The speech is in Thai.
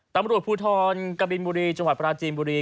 ตำรวจภูทรกบินบุรีจังหวัดปราจีนบุรี